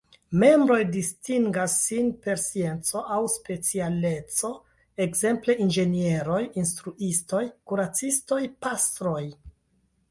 Membroj distingas sin per scienco aŭ specialeco, ekzemple inĝenieroj, instruistoj, kuracistoj, pastroj.